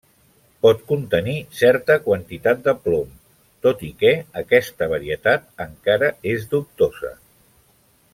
Pot contenir certa quantitat de plom, tot i que aquesta varietat encara és dubtosa.